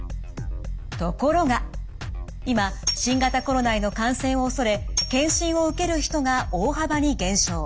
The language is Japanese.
ところが今新型コロナへの感染を恐れ検診を受ける人が大幅に減少。